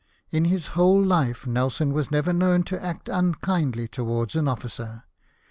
In his whole life Nelson was never known to act unkindly towards an officer.